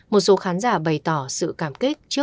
một số khán giả bày tỏ sự cảm kích